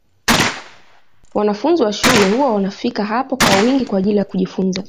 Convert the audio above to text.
Wanafunzi wa shule huwa wanafika hapo kwa wingi kwa ajili ya kujifunza